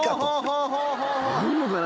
あんのかな？